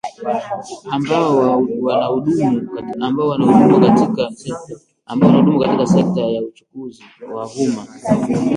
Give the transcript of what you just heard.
ambao wanahudumu katika sekta ya uchukuzi wa umma